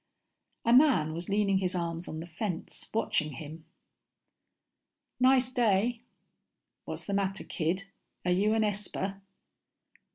A man was leaning his arms on the fence, watching him. "Nice day." _What's the matter, kid, are you an esper?